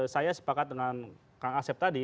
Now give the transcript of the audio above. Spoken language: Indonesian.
saya sepakat dengan kang asep tadi